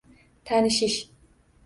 Tanishish.